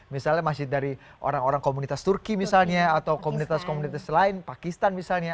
misalnya masjid dari orang orang komunitas turki misalnya atau komunitas komunitas lain pakistan misalnya